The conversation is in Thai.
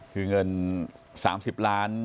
คือเงิน๓๐ล้าน